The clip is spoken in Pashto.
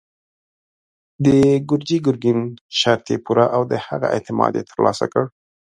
د ګرجي ګرګين شرط يې پوره او د هغه اعتماد يې تر لاسه کړ.